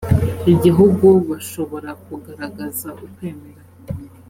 igihugu bashobora kugaragaza ukwemera